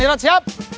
dadang sudah siap